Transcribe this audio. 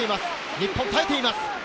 日本、耐えています。